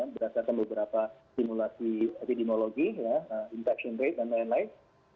berdasarkan beberapa simulasi epidemiologi infection rate dan lain lain